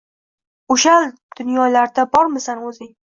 oʼshal dunyolarda bormisan oʼzing?